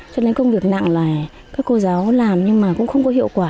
cho nên công việc nặng là các cô giáo làm nhưng mà cũng không có hiệu quả